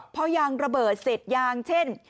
พอยางระเบิดเสร็จยางเช่น